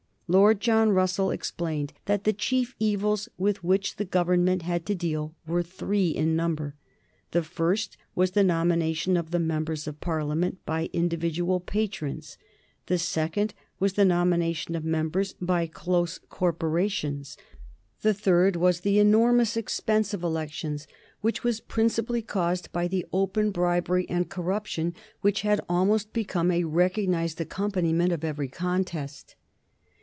Lord John Russell explained that the chief evils with which the Government had to deal were three in number. The first was the nomination of members of Parliament by individual patrons. The second was the nomination of members by close corporations. The third was the enormous expense of elections, which was principally caused by the open bribery and corruption which had almost become a recognized accompaniment of every contest.